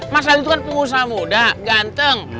mas al itu kan pengusaha muda ganteng